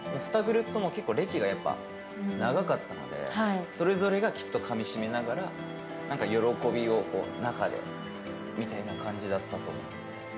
２グループとも結構、歴が長かったので、それぞれがきっとかみしめながら、喜びを中でみたいな感じだったと思いますね。